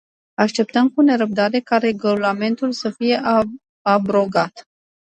Așteptăm cu nerăbdare ca regulamentul să fie abrogat.